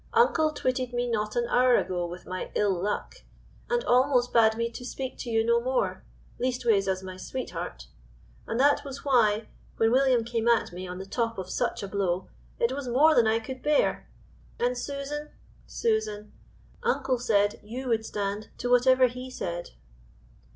Uncle twitted me not an hour ago with my ill luck, and almost bade me to speak to you no more, leastways as my sweetheart; and that was why, when William came at me on the top of such a blow, it was more than I could bear; and Susan Susan uncle said you would stand to whatever he said."